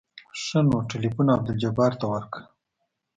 ښه نو ټېلفون عبدالجبار ته ورکه.